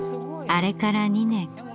あれから２年。